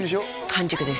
半熟です